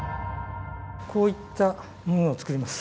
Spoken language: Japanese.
こういったものを作ります。